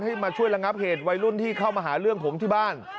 มาช่วยระงับเหตุวัยรุ่นที่เข้ามาหาเรื่องผมที่บ้าน